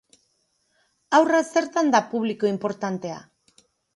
Haurra zertan da publiko inportantea?